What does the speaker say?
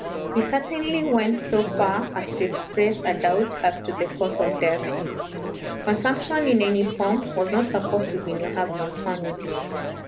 He certainly went so far as to express a doubt as to the cause of death. Consumption in any form was not supposed to be in your husband's family.